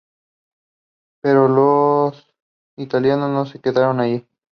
Pero los italianos no se quedaron ahí.